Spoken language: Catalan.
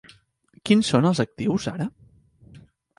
Quins són els actius ara?